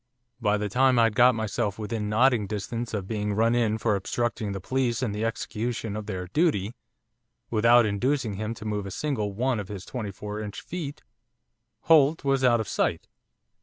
By the time I'd got myself within nodding distance of being run in for obstructing the police in the execution of their duty, without inducing him to move a single one of his twenty four inch feet, Holt was out of sight.